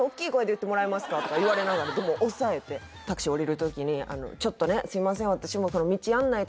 「言ってもらえますか？」とか言われながらでも抑えてタクシー降りる時にちょっとねすいません